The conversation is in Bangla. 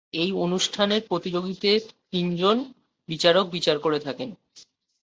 এই অনুষ্ঠানের প্রতিযোগীদের তিনজন বিচারক বিচার করে থাকেন।